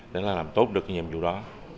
để làm tốt được nhiệm vụ đó